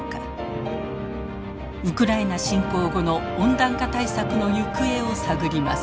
ウクライナ侵攻後の温暖化対策の行方を探ります。